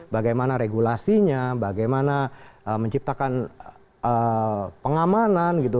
bagaimana regulasinya bagaimana menciptakan pengamanan gitu